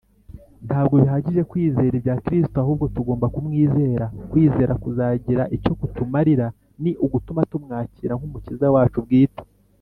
ntabwo bihagije kwizera ibya kristo, ahubwo tugomba kumwizera kwizera kuzagira icyo kutumarira ni ugutuma tumwakira nk’umukiza wacu bwite,